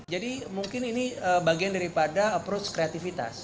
jadi mungkin ini bagian daripada approach kreatifitas